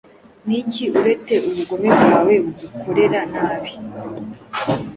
Niki urete ubugome bwawe bugukorera nabi